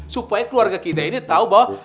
supaya keluarga kita ini tahu bahwa